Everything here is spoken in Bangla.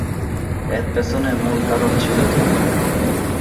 এর পেছনে মূল কারণ ছিল ধর্মীয়।